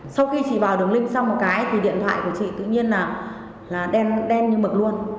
sau khi chị vào đường link xong một cái thì điện thoại của chị tự nhiên là đen như mực luôn